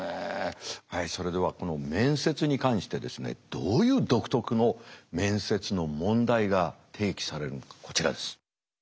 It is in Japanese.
それではこの面接に関してですねどういう独特の面接の問題が提起されるのかこちらです。